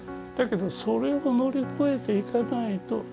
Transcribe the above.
だけどそれを乗り越えていかないと。